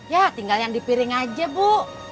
ya tinggal yang dipiring aja bu